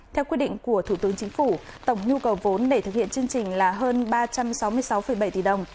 theo quyết định của thủ tướng chính phủ tổng nhu cầu vốn để thực hiện chương trình là hơn ba trăm sáu mươi sáu bảy tỷ đồng